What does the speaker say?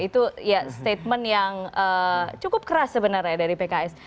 itu ya statement yang cukup keras sebenarnya dari pks